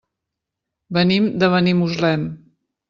Venim de Benimuslem.